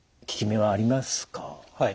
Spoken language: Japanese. はい。